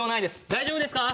大丈夫ですか？